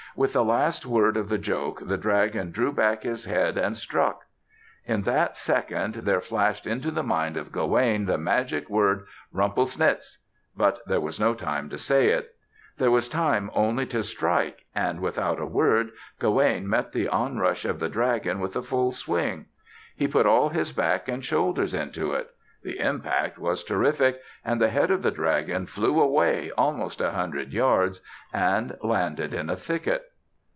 With the last word of the joke the dragon drew back his head and struck. In that second there flashed into the mind of Gawaine the magic word "Rumplesnitz," but there was no time to say it. There was time only to strike and, without a word, Gawaine met the onrush of the dragon with a full swing. He put all his back and shoulders into it. The impact was terrific and the head of the dragon flew away almost a hundred yards and landed in a thicket.